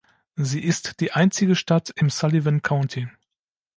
Sie ist die einzige Stadt im Sullivan County.